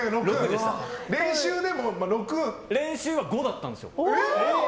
練習は５だったんです。